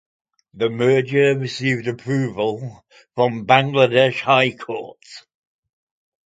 The merger received approval from Bangladesh High Court.